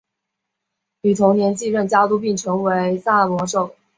于同年继任家督并成为萨摩守。